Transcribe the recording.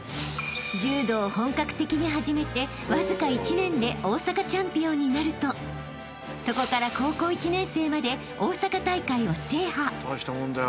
［柔道を本格的に始めてわずか１年で大阪チャンピオンになるとそこから高校１年生まで大阪大会を制覇］